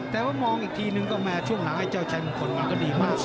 แต่ว่ามองอีกทีนึงก็แม่ช่วงหนังไอ้เจ้าฉันผลมันก็ดีมากเลย